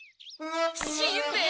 しんべヱ！